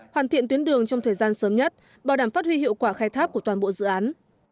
hoàn thiện tuyến đường trong thời gian sớm nhất bảo đảm phát huy hiệu quả khai tháp của toàn bộ dự án